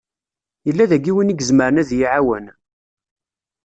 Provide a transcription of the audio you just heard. Yella daki win i izemren ad yi-iɛawen?